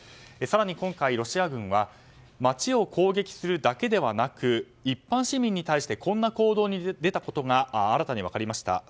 更に今回、ロシア軍は街を攻撃するだけではなく一般市民に対してこんな行動に出たことが新たに分かりました。